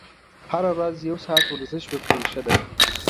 هره ورځ یو ساعت ورزش وکړئ ښه ده.